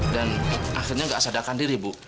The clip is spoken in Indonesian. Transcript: dan akhirnya nggak sadarkan diri bu